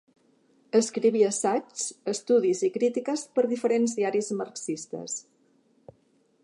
Escriví assaigs, estudis i crítiques per diferents diaris marxistes.